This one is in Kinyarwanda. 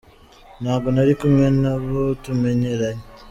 Ntago nari kumwe nabo tumenyeranye